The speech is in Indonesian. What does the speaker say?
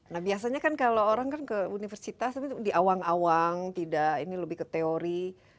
nah biasanya kan kalau orang ke universitas di awang awang ini lebih ke teori